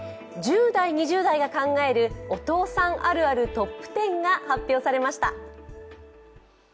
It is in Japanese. １０代、２０代が考えるお父さんあるあるＴＯＰ１０が発表されました。